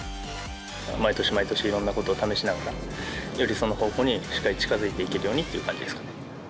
毎年、毎年、いろんなことを試しながら、よりその方向にしっかり近づいていけるようにっていう感じですか